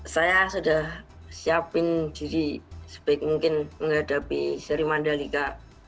saya sudah siapin diri sebaik mungkin menghadapi seri mandalika